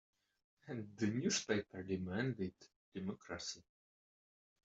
The newspapers demanded democracy.